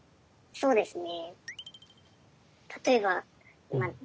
そうですね。